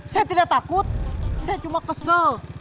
saya tidak takut saya cuma kesel